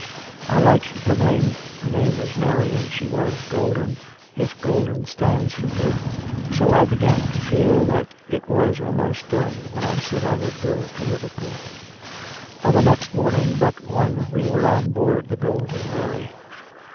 I liked the name (her name was Mary, and she was golden, if golden stands for good), so I began to feel that it was almost done when I said I would go to Liverpool. On the next morning but one we were on board the Golden Mary.